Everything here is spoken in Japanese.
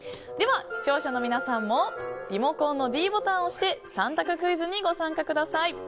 では視聴者の皆さんもリモコンのｄボタンを押して３択クイズにご参加ください。